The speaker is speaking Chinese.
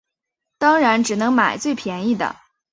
当然只能买最便宜的